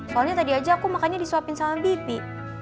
soalnya tadi aja aku makannya disuapin sama bibi